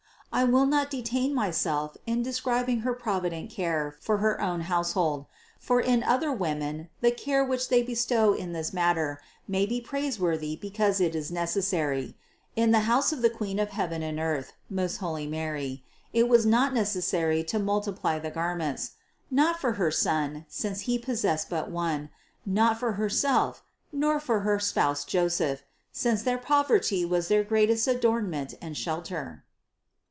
I will not detain myself in describing her provi THE CONCEPTION 603 dent care for her own household ; for in other women the care which they bestow in this matter, may be praise worthy because it is necessary ; in the house of the Queen of heaven and earth, most holy Mary, it was not neces sary to multiply the garments: not for Her Son, since He possessed but one; not for Herself, nor for her spouse Joseph, since their poverty was their greatest adornment and shelter.